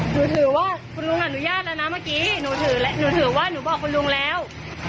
ถือว่าคุณลุงอนุญาตแล้วนะเมื่อกี้หนูถือแล้วหนูถือว่าหนูบอกคุณลุงแล้ว